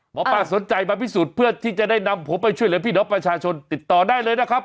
หมอปลาสนใจมาพิสูจน์เพื่อที่จะได้นำผมไปช่วยเหลือพี่น้องประชาชนติดต่อได้เลยนะครับ